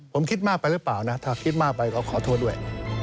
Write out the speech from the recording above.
ผมคิดมากไปหรือเปล่านะถ้าคิดมากไปก็ขอโทษด้วย